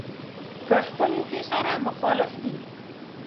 په خپلو کې سره مخالف دي.